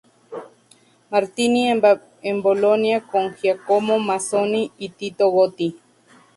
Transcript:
Martini en Bolonia con Giacomo Manzoni y Tito Gotti.